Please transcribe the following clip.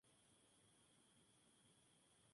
Por ello, es útil en reacciones que empleen fosgeno.